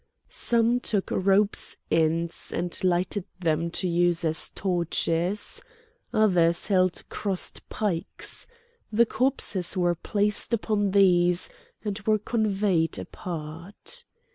Some took ropes' ends and lighted them to use as torches. Others held crossed pikes. The corpses were placed upon these and were conveyed apart.